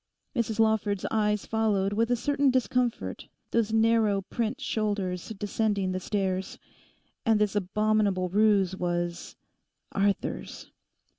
Mrs Lawford's eyes followed with a certain discomfort those narrow print shoulders descending the stairs. And this abominable ruse was—Arthur's!